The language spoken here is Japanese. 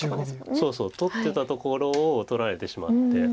そうそう取ってたところを取られてしまって。